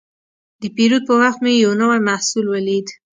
د پیرود پر وخت مې یو نوی محصول ولید.